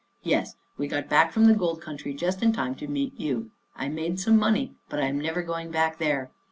" Yes, we got back from the Gold Country just in time to meet you. I made some money, but I am never going back there.